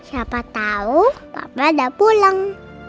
siapa tahu papa udah pulang